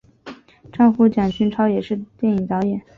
丈夫蒋君超也是电影导演。